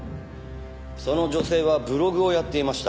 その女性はブログをやっていました。